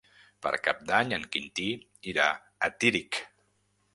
Per Cap d'Any en Quintí irà a Tírig.